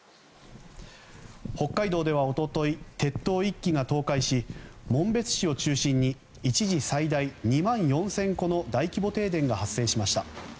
北海道では一昨日鉄塔１基が倒壊し紋別市を中心に一時最大２万４０００戸の大規模停電が発生しました。